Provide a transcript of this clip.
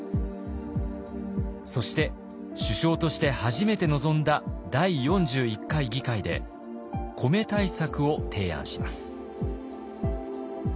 そして首相として初めて臨んだ第４１回議会で米対策を提案します。